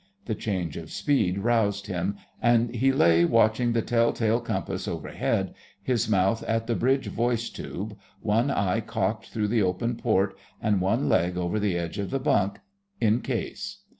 The change of speed roused him, and he lay watching the tell tale compass overhead, his mouth at the bridge voice tube; one eye cocked through the open port, and one leg over the edge of the bunk—in case.